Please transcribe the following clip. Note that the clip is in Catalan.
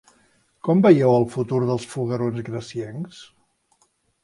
Com veieu el futur dels foguerons graciencs?